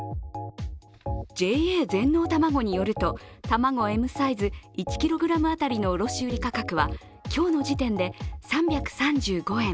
ＪＡ全農たまごによると、卵Ｍサイズ１ｋｇ当たりの今日の時点で３３５円。